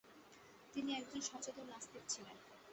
তিনি একজন সচেতন নাস্তিক ছিলেন।